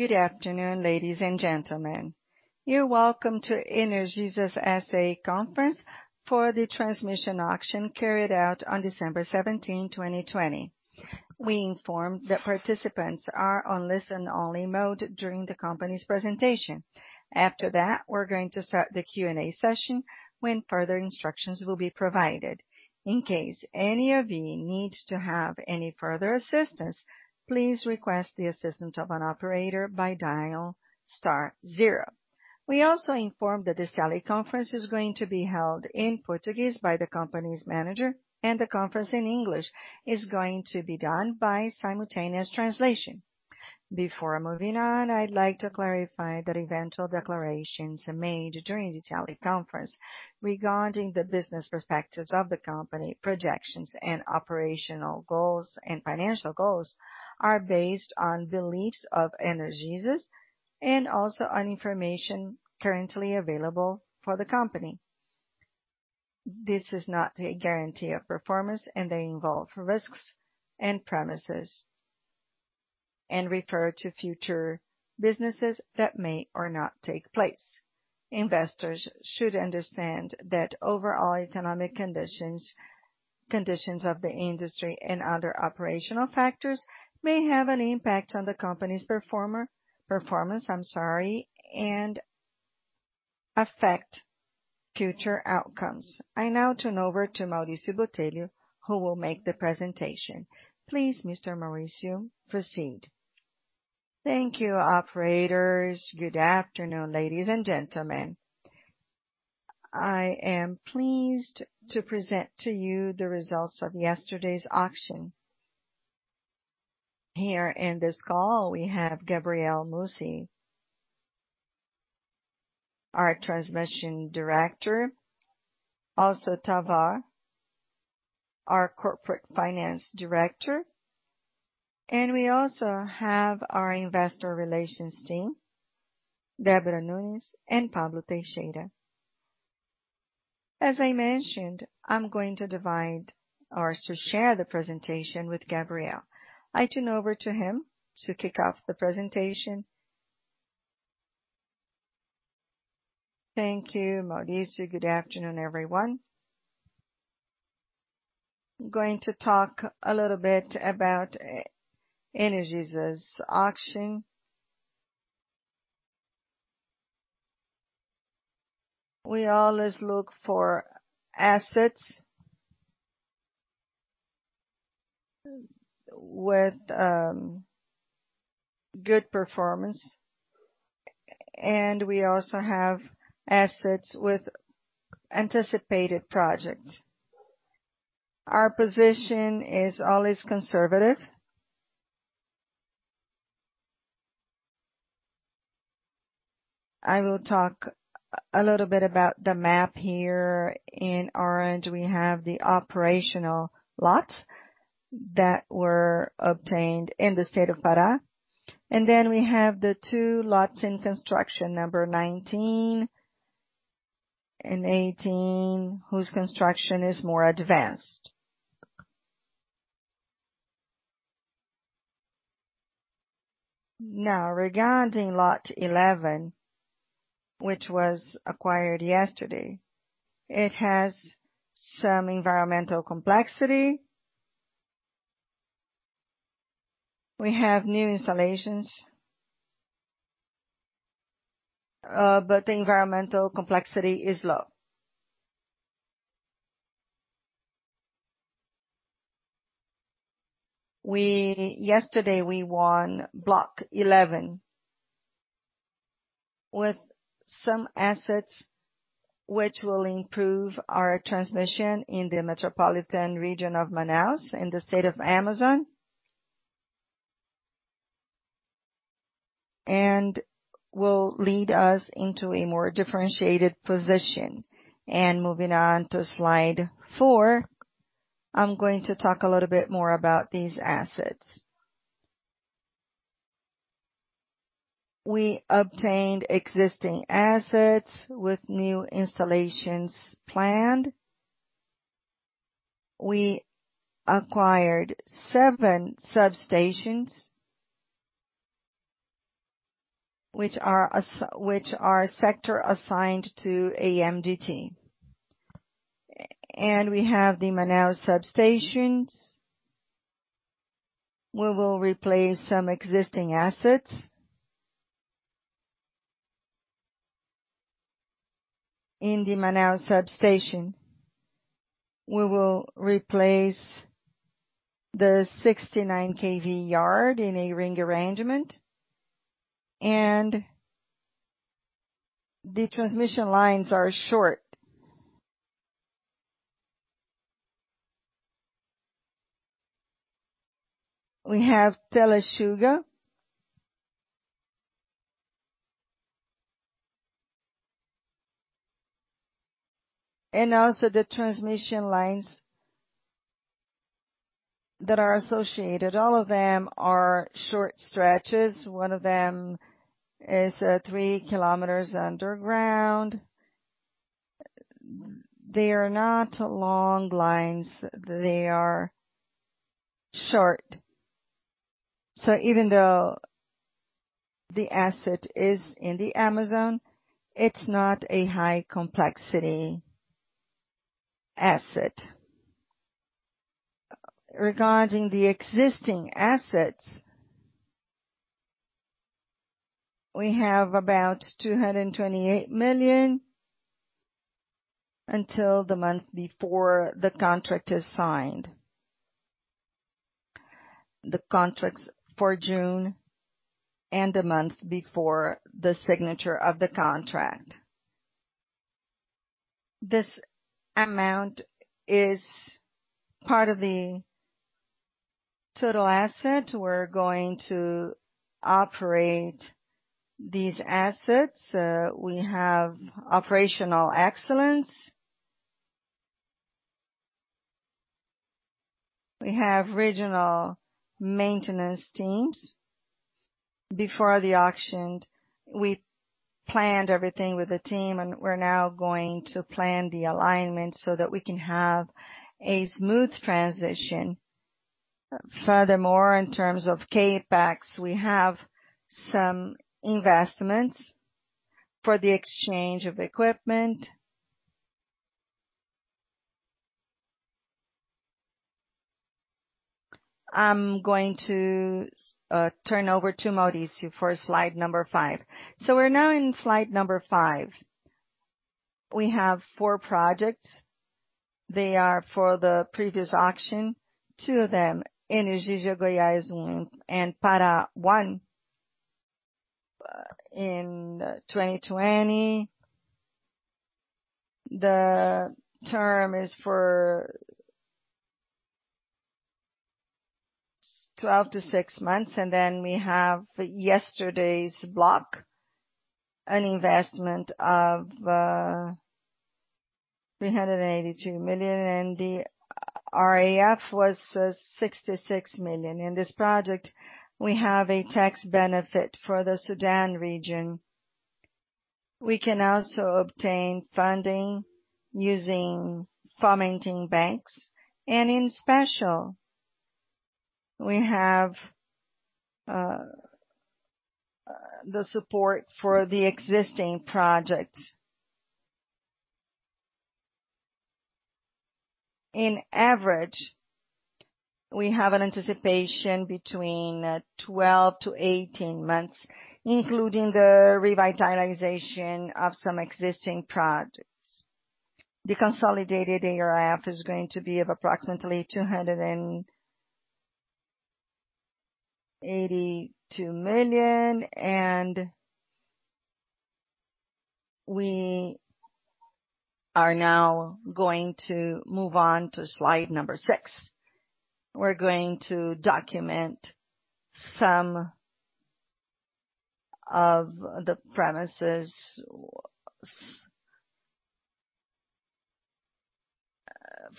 Good afternoon, ladies and gentlemen. You're welcome to Energisa's S.A. conference for the transmission auction carried out on December 17, 2020. We inform that participants are on listen-only mode during the company's presentation. After that, we're going to start the Q&A session, when further instructions will be provided. In case any of you need to have any further assistance, please request the assistance of an operator by dial star zero. We also inform that this teleconference is going to be held in Portuguese by the company's manager, and the conference in English is going to be done by simultaneous translation. Before moving on, I'd like to clarify that eventual declarations made during the teleconference regarding the business perspectives of the company, projections, and operational goals and financial goals, are based on beliefs of Energisa and also on information currently available for the company. This is not a guarantee of performance, and they involve risks and premises, and refer to future businesses that may or not take place. Investors should understand that overall economic conditions of the industry, and other operational factors may have an impact on the company's performance, I'm sorry, and affect future outcomes. I now turn over to Mauricio Botelho, who will make the presentation. Please, Mr. Mauricio, proceed. Thank you, operators. Good afternoon, ladies and gentlemen. I am pleased to present to you the results of yesterday's auction. Here in this call, we have Gabriel Mussi, our Transmission Director, also Tovar, our Corporate Finance Director, and we also have our investor relations team, Deborah Nunes and Pablo Teixeira. As I mentioned, I'm going to divide or to share the presentation with Gabriel. I turn over to him to kick off the presentation. Thank you, Mauricio. Good afternoon, everyone. I'm going to talk a little bit about Energisa's auction. We always look for assets with good performance. We also have assets with anticipated projects. Our position is always conservative. I will talk a little bit about the map here. In orange, we have the operational lots that were obtained in the State of Pará. We have the two lots in construction, number 19 and 18, whose construction is more advanced. Now, regarding Lot 11, which was acquired yesterday, it has some environmental complexity. We have new installations, the environmental complexity is low. Yesterday, we won Block 11 with some assets, which will improve our transmission in the metropolitan region of Manaus in the State of Amazon, and will lead us into a more differentiated position. Moving on to slide four, I'm going to talk a little bit more about these assets. We obtained existing assets with new installations planned. We acquired seven substations, which are sector-assigned to AMDT. We have the Manaus substations. We will replace some existing assets. In the Manaus substation, we will replace the 69 kV yard in a ring arrangement, the transmission lines are short. We have Telechuga, also the transmission lines that are associated. All of them are short stretches. One of them is 3 km underground. They are not long lines, they are short. Even though the asset is in the Amazon, it's not a high complexity asset. Regarding the existing assets, we have about 228 million until the month before the contract is signed. The contracts for June and the month before the signature of the contract. This amount is part of the total asset. We're going to operate these assets. We have operational excellence. We have regional maintenance teams. Before the auction, we planned everything with the team, and we're now going to plan the alignment so that we can have a smooth transition. Furthermore, in terms of CapEx, we have some investments for the exchange of equipment. I'm going to turn over to Maurício for slide number five. We're now in slide number five. We have four projects. They are for the previous auction. Two of them, Energisa Goiás and Pará I in 2020. The term is for 12-6 months. We have yesterday's block, an investment of 382 million. The RAF was 66 million. In this project, we have a tax benefit for the SUDAM region. We can also obtain funding using fomenting banks. In special, we have the support for the existing projects. On average, we have an anticipation between 12-18 months, including the revitalization of some existing projects. The consolidated RAF is going to be of approximately 282 million. We are now going to move on to slide number six. We're going to document some of the premises.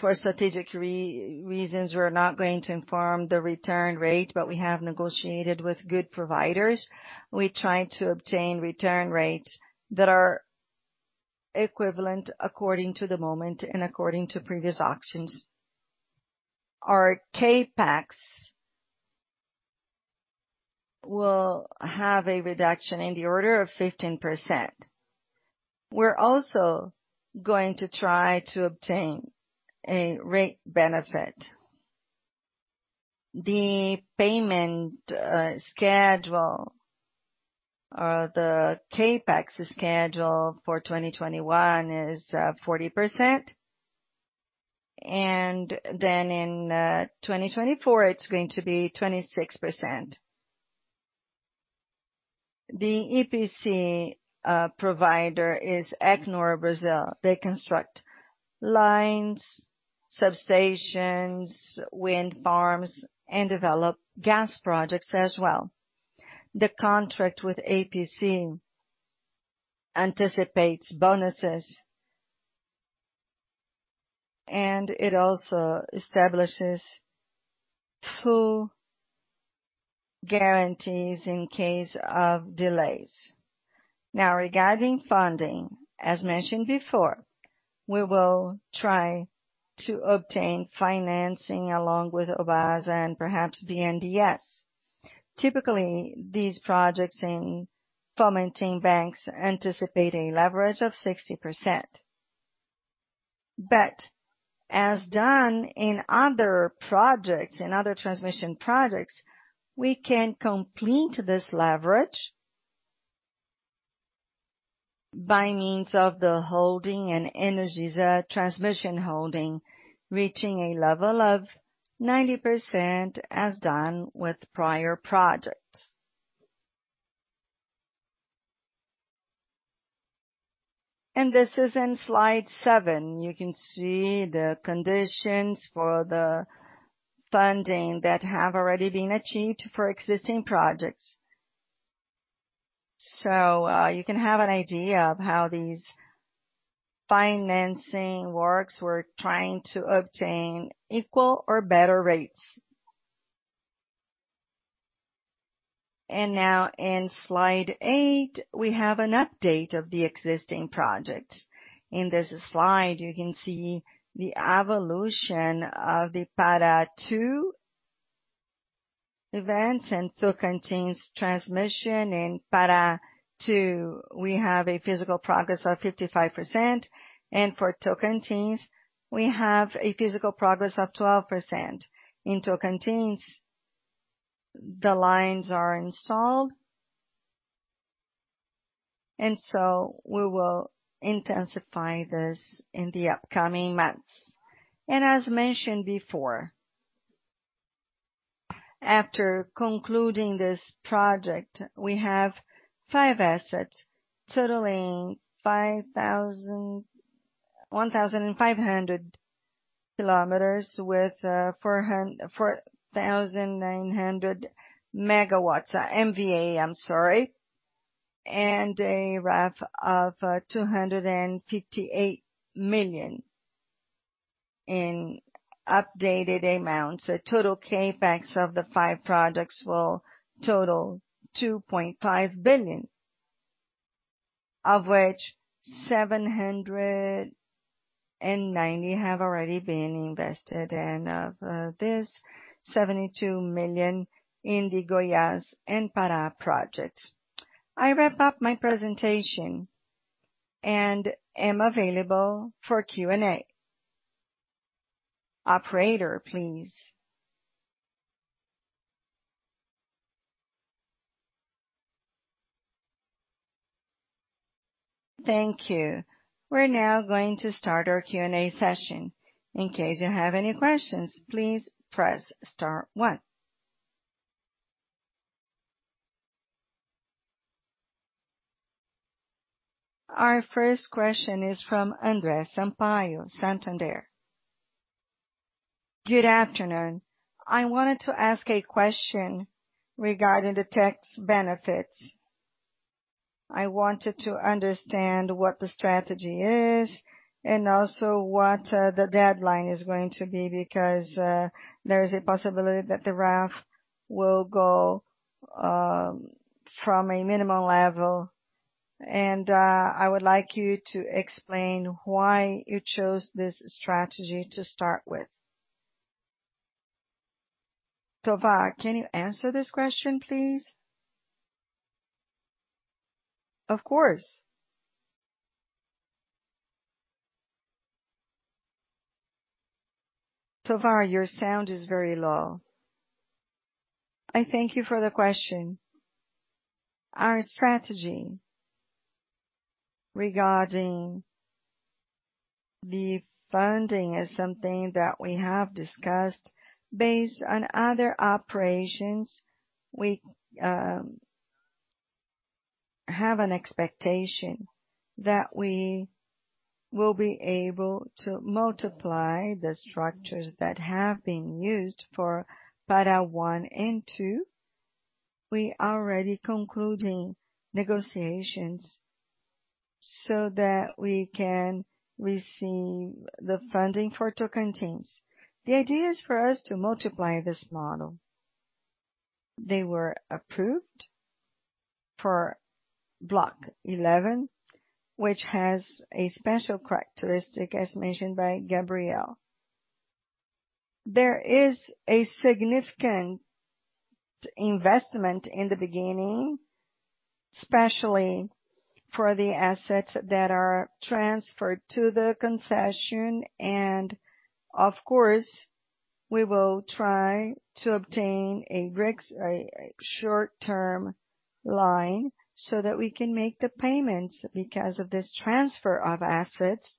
For strategic reasons, we're not going to inform the return rate, but we have negotiated with good providers. We try to obtain return rates that are equivalent according to the moment and according to previous auctions. Our CapEx will have a reduction in the order of 15%. We're also going to try to obtain a rate benefit. The payment schedule or the CapEx schedule for 2021 is 40%. Then in 2024, it's going to be 26%. The EPC provider is Elecnor Brasil. They construct lines, substations, wind farms, and develop gas projects as well. The contract with EPC anticipates bonuses. It also establishes full guarantees in case of delays. Now, regarding funding, as mentioned before, we will try to obtain financing along with BASA and perhaps BNDES. Typically, these projects in fomenting banks anticipate a leverage of 60%. As done in other transmission projects, we can complete this leverage by means of the holding and Energisa transmission holding, reaching a level of 90% as done with prior projects. This is in slide seven. You can see the conditions for the funding that have already been achieved for existing projects. You can have an idea of how these financing works. We're trying to obtain equal or better rates. Now in slide eight, we have an update of the existing projects. In this slide, you can see the evolution of the Pará II and Tocantins transmission. In Pará II, we have a physical progress of 55%. For Tocantins, we have a physical progress of 12%. In Tocantins, the lines are installed. We will intensify this in the upcoming months. As mentioned before, after concluding this project, we have five assets totaling 1,500 km with 4,900 MVA and a RAF of 258 million in updated amounts. A total CapEx of the five projects will total 2.5 billion, of which 790 have already been invested, of this 72 million in the Goiás and Pará projects. I wrap up my presentation and am available for Q&A. Operator, please. Thank you. We're now going to start our Q&A session. In case you have any questions, please press star one. Our first question is from André Sampaio, Santander. Good afternoon. I wanted to ask a question regarding the tax benefits. I wanted to understand what the strategy is and also what the deadline is going to be, because there is a possibility that the RAF will go from a minimal level. I would like you to explain why you chose this strategy to start with. Tovar, can you answer this question, please? Of course. Tovar, your sound is very low. I thank you for the question. Our strategy regarding the funding is something that we have discussed based on other operations. We have an expectation that we will be able to multiply the structures that have been used for Pará I and II. We are already concluding negotiations so that we can receive the funding for Tocantins. The idea is for us to multiply this model. They were approved for Block 11, which has a special characteristic, as mentioned by Gabriel. There is a significant investment in the beginning, especially for the assets that are transferred to the concession. Of course, we will try to obtain a short-term line so that we can make the payments because of this transfer of assets,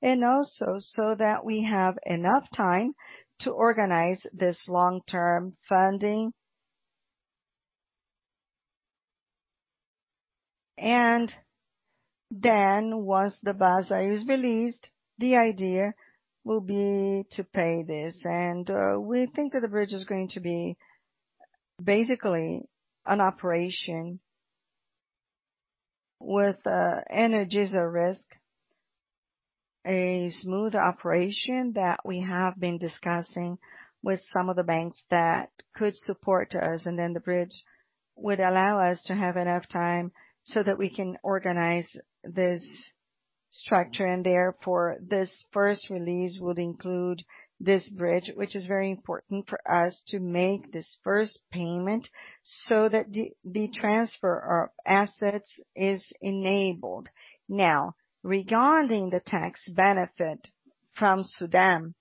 and also so that we have enough time to organize this long-term funding. Once the BASA is released, the idea will be to pay this. We think that the bridge is going to be basically an operation with Energisa risk, a smooth operation that we have been discussing with some of the banks that could support us. The bridge would allow us to have enough time so that we can organize this structure. Therefore, this first release would include this bridge, which is very important for us to make this first payment so that the transfer of assets is enabled. Now, regarding the tax benefit from SUDAM,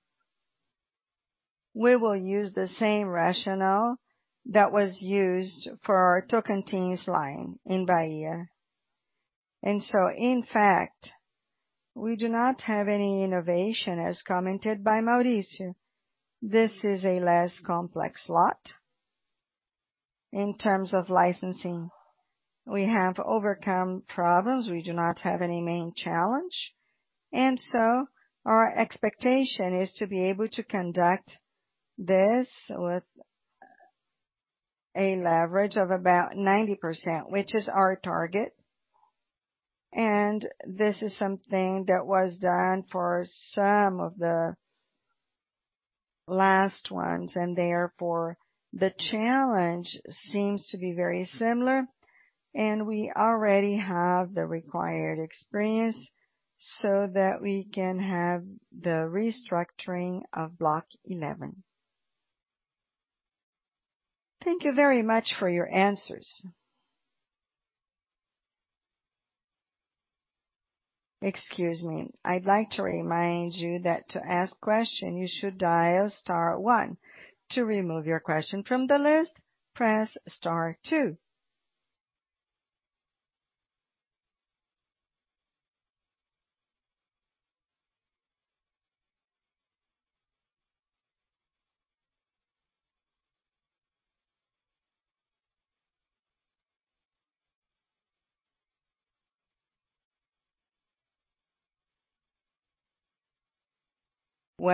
we will use the same rationale that was used for our Tocantins line in Bahia. In fact, we do not have any innovation, as commented by Maurício. This is a less complex lot in terms of licensing. We have overcome problems. We do not have any main challenge. Our expectation is to be able to conduct this with a leverage of about 90%, which is our target. This is something that was done for some of the last ones, and therefore, the challenge seems to be very similar, and we already have the required experience so that we can have the restructuring of Block 11. Thank you very much for your answers. Excuse me. I'd like to remind you that to ask question, you should dial star one. To remove your question from the list, press star two.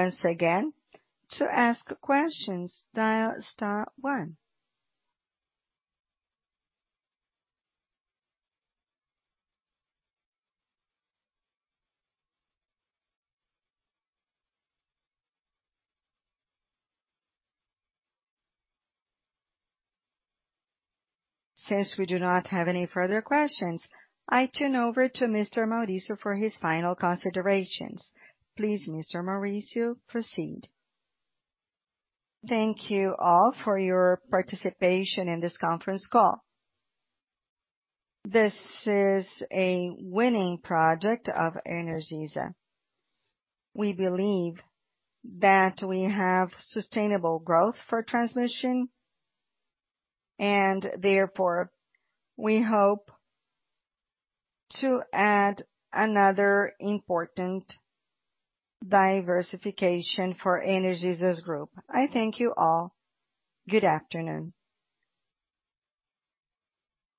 Since we do not have any further questions, I turn over to Mr. Maurício for his final considerations. Please, Mr. Maurício, proceed. Thank you all for your participation in this conference call. This is a winning project of Energisa. We believe that we have sustainable growth for transmission, and therefore, we hope to add another important diversification for Energisa's group. I thank you all. Good afternoon.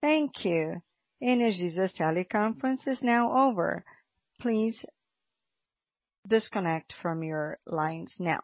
Thank you. Energisa's earnings conference is now over. Please disconnect from your lines now.